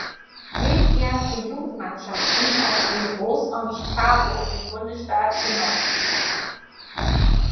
Lebensjahr für Jugendmannschaften aus dem Großraum Chicago und dem Bundesstaat Illinois.